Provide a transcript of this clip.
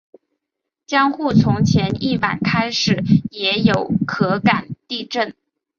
江户从前一晚开始也有可感地震。